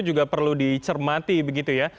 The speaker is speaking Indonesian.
juga perlu dicermati begitu ya